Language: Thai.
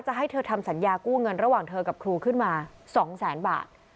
ให้เธอทำสัญญากู้เงินระหว่างเธอกับครูขึ้นมา๒แสนบาท